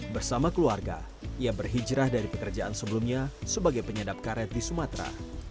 bersama keluarga ia berhijrah dari pekerjaan sebelumnya sebagai penyedap karet di sumatera